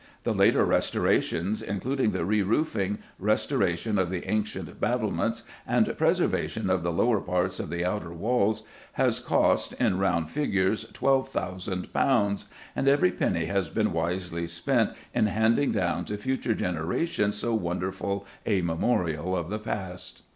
The later restorations, including the reroofing, restoration of the ancient battlements, and preservation of the lower parts of the outer walls, has cost, in round figures, twelve thousand pounds, and every penny has been wisely spent in handing down to future generations so wonderful a memorial of the past.